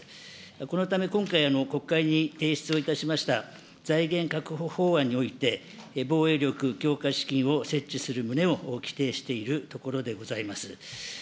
このため今回、国会に提出をいたしました、財源確保法案において、防衛力強化資金を設置する旨を規定しているところでございます。